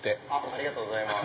ありがとうございます。